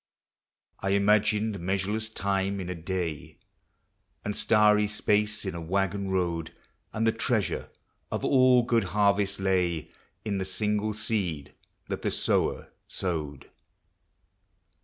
I imagined measureless time in a day, And starry space in a waggon road, And the treasure of all good harvests lay In the single seed that the sower sowed.